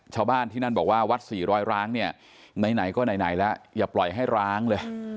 ชาวบ้านที่นั่นบอกว่าวัดสี่ร้อยร้างเนี่ยไหนก็ไหนแล้วอย่าปล่อยให้ร้างเลย